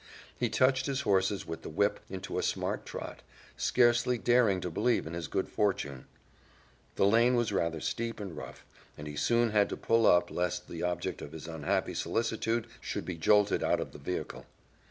He touched his horses with the whip into a smart trot, scarcely daring to believe in his good fortune. The lane was rather steep and rough, and he soon had to pull up lest the object of his unhappy solicitude should be jolted out of the vehicle.